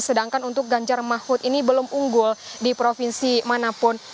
sedangkan untuk ganjar mahfud ini belum unggul di provinsi manapun